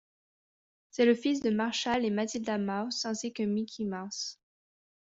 C'est le fils de Marshall et Matilda Mouse ainsi que Mickey Mouse.